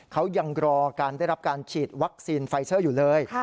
เขายังรอการได้รับการฉีดวัคซีนไฟเซอร์อยู่เลย